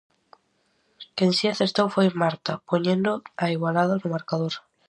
Quen si acertou foi Marta, poñendo a igualada no marcador.